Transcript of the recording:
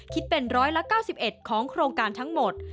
คิดเป็น๑๙๑ของโครงการทั้งหมด